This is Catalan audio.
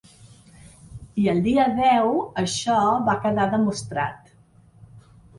I el dia deu això va quedar demostrat.